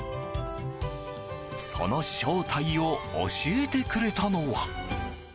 その正体を教えてくれたのは。